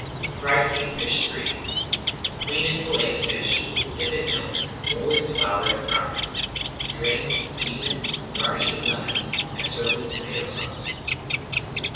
FRIED KINGFISH III Clean and fillet the fish, dip in milk, roll in flour and fry. Drain, season, garnish with lemons, and serve with Tomato Sauce.